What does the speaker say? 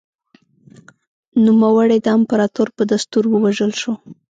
نوموړی د امپراتور په دستور ووژل شو